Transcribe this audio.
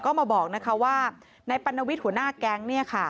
ก็มาบอกว่าในปัณวิทย์หัวหน้าแก๊ง